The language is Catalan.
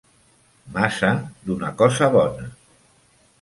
Massa d'una cosa bona